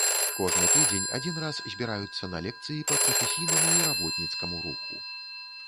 Кожны тыдзень адзін раз збіраюцца на лекцыі па прафесійнаму і работніцкаму руху.